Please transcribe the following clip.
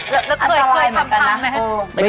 แล้วเคยเกิดสำคัญมั๊ย